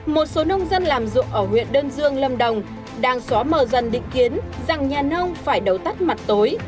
một số nông dân làm ruộng ở huyện đơn dương lâm đồng đang xóa mờ dần định kiến rằng nhà nông phải đầu tắt mặt tối